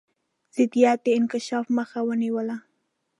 ضدیت د انکشاف مخه ونیوله.